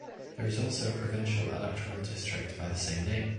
There is also a provincial electoral district by the same name.